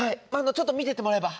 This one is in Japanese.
ちょっと見ててもらえば。